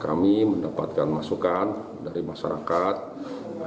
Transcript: kami mendapatkan masukan dari masyarakat yang berbahaya